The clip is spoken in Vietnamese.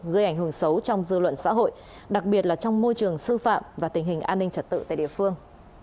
gây ảnh hưởng xấu trong dư luận xã hội đặc biệt là trong môi trường sư phạm và tình hình an ninh trật tự tại địa phương